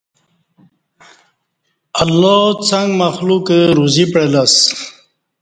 اللہ څݩگ مخلوقہ روزی پعلہ اسہ